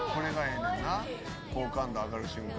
んな好感度上がる瞬間。